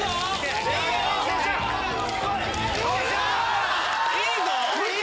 いいぞ！